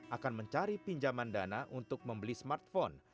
akan mencari pinjaman dana untuk membeli smartphone